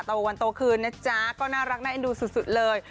วันโตคืนนะจ๊ะก็น่ารักน่าเอ็นดูสุดเลย